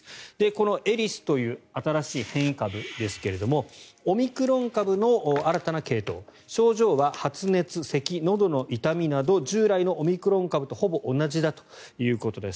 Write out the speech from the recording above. このエリスという新しい変異株ですがオミクロン株の新たな系統症状は発熱、せき、のどの痛みなど従来なオミクロン株とほぼ同じだということです。